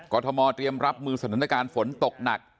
ทมเตรียมรับมือสถานการณ์ฝนตกหนัก